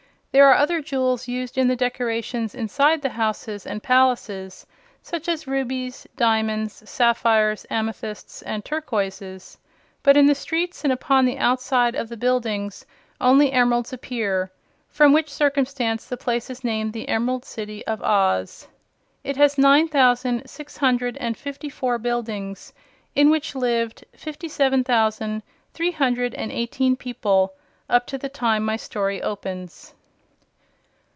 There are other jewels used in the decorations inside the houses and palaces, such as rubies, diamonds, sapphires, amethysts and turquoises. But in the streets and upon the outside of the buildings only emeralds appear, from which circumstance the place is named the Emerald City of Oz. It has nine thousand, six hundred and fifty four buildings, in which lived fifty seven thousand three hundred and eighteen people, up to the time my story opens.